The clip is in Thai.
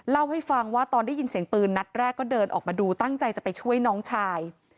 เล่าให้ฟังว่าตอนได้ยินเสียงปืนนัดแรกก็เดินออกมาดูตั้งใจจะไปช่วยน้องชาย